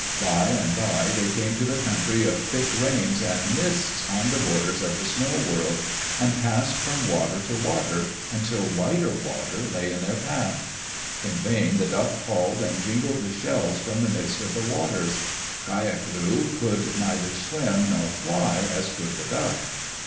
By and by they came to the country of thick rains and mists on the borders of the Snow World, and passed from water to water, until wider water lay in their path. In vain the Duck called and jingled the shells from the midst of the waters. K yak lu could neither swim nor fly as could the Duck.